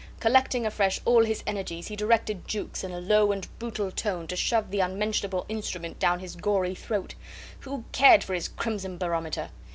Collecting afresh all his energies, he directed Jukes in a low and brutal tone to shove the unmentionable instrument down his gory throat. Who cared for his crimson barometer?